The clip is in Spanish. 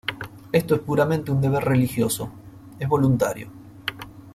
Esto es puramente un deber religioso; es voluntario.